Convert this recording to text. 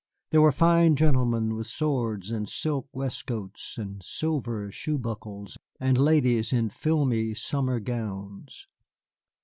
There were fine gentlemen with swords and silk waistcoats and silver shoe buckles, and ladies in filmy summer gowns.